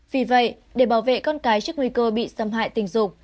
vì vậy để bảo vệ con cái trước nguy cơ bị xâm hại tình dục